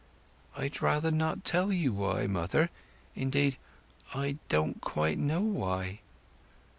"I'd rather not tell you why, mother; indeed, I don't quite know why."